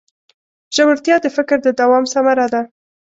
ژورتیا د فکر د دوام ثمره ده.